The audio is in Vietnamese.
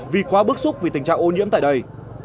vì quá bức xúc vì tình trạng ô nhiễm tại đây